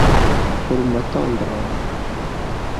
Fulmotondron!